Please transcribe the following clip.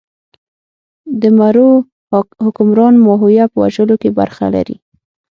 د مرو حکمران ماهویه په وژلو کې برخه لري.